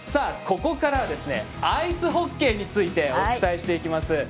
ここからはアイスホッケーについてお伝えしていきます。